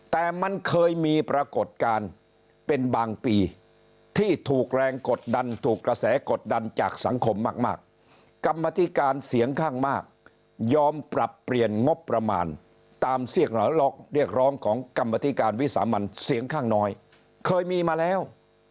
แต่มันเคยมีปรากฏการณ์เป็นบางปีที่ถูกแรงกดดันถูกกระแสกดดันจากสังคมมากกรรมธิการเสียงข้างมากยอมปรับเปลี่ยนงบประมาณตามเสียงเรียกร้องของกรรมธิการวิสามันเสียงข้างน้อยเคยมีมาแล้ว